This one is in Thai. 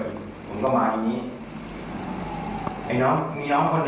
จะเปิดแล้วพี่จับไว้ที่ศูนย์เดี๋ยวมันจะปากสองพันธุ์นะ